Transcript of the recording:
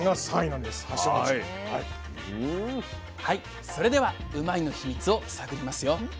はいそれではうまいッ！のヒミツを探りますよ。